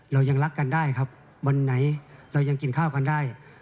เรายังรักกันได้ครับวันไหนเรายังกินข้าวกันได้